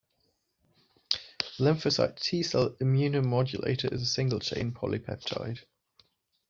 Lymphocyte T-Cell Immunomodulator is a single chain polypeptide.